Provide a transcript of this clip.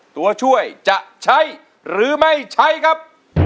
ตัวช่วยจะใช้หรือไม่ใช้ครับ